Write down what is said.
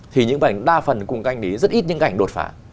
thì những bức ảnh đa phần cùng canh đấy rất ít những ảnh đột phá